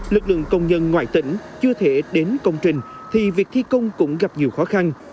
lực lượng công nhân ngoại tỉnh chưa thể đến công trình thì việc thi công cũng gặp nhiều khó khăn